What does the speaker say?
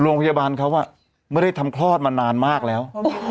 โรงพยาบาลเขาไม่ได้ทำคลอดมานานมากแล้ว